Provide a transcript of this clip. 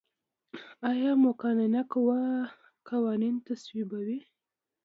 آیا مقننه قوه قوانین تصویبوي؟